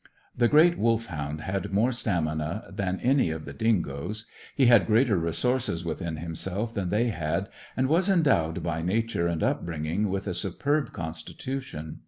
The great Wolfhound had more stamina than any of the dingoes; he had greater resources within himself than they had, and was endowed, by Nature and upbringing, with a superb constitution.